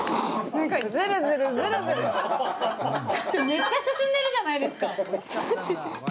めっちゃ進んでるじゃないですか。